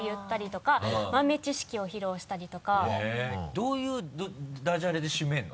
どういうダジャレで締めるの？